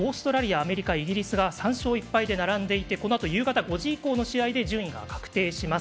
アメリカ、イギリスが３勝１敗で並んでいてこのあと、夕方５時以降の試合で順位が確定します。